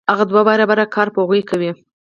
هغه دوه برابره کار په هغوی کوي